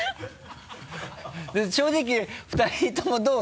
正直２人ともどう？